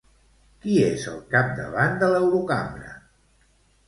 Qui és el capdavant de l'Eurocambra?